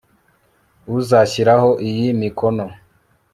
Uzashyiraho iyi kimono